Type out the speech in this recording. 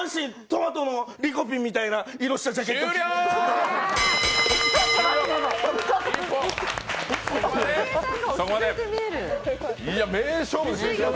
トマトのリコピンみたいな色した終了。